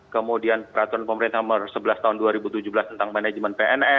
kemudian peraturan pemerintah nomor sebelas tahun dua ribu tujuh belas tentang manajemen pns